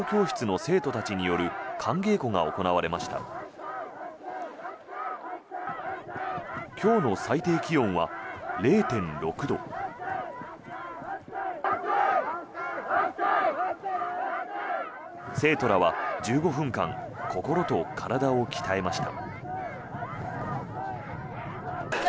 生徒らは１５分間心と体を鍛えました。